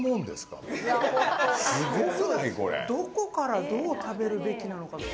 どこからどう食べるべきなのかって。